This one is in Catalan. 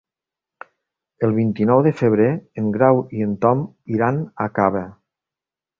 El vint-i-nou de febrer en Grau i en Tom iran a Cava.